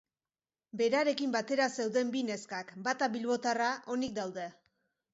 Berarekin batera zeuden bi neskak, bata bilbotarra, onik daude.